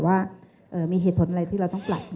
ว่ามีเหตุผลอะไรที่เราต้องปรับ